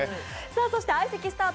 そして相席スタート